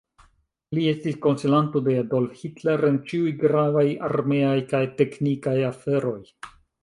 Li estis konsilanto de Adolf Hitler en ĉiuj gravaj armeaj kaj teknikaj aferoj.